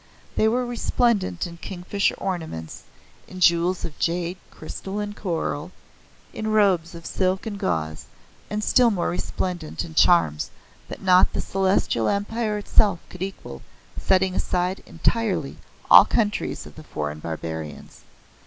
They were resplendent in king fisher ornaments, in jewels of jade, crystal and coral, in robes of silk and gauze, and still more resplendent in charms that not the Celestial Empire itself could equal, setting aside entirely all countries of the foreign barbarians.